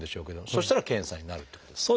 そしたら検査になるってことですか？